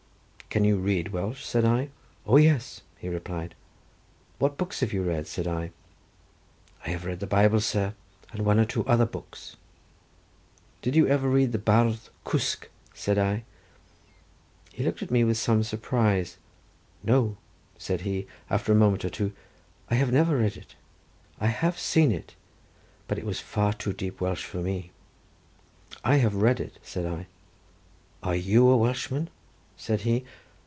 "Can you read Welsh?" said I. "O, yes!" he replied. "What books have you read?" said I. "I have read the Bible, sir, and one or two other books." "Did you ever read the Bardd Cwsg?" said I. He looked at me with some surprise. "No," said he, after a moment or two, "I have never read it. I have seen it, but it was far too deep Welsh for me." "I have read it," said I. "Are you a Welshman?" said he.